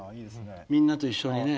みんなと一緒にね。